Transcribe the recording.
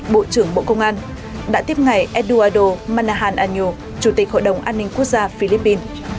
bộ trưởng bộ công an đã tiếp ngày eduardo manahan ano chủ tịch hội đồng an ninh quốc gia philippines